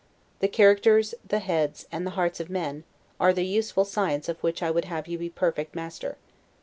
The characters, the heads, and the hearts of men, are the useful science of which I would have you perfect master.